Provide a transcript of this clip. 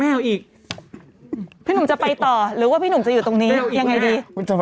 ไม่เอาเอาอีกคนนั้นมันไม่ถึงเหมือนว่าเป็นอันข่าวกลับจะอ่านข่าวก่อนหรือเธอจะให้ฉันอะไร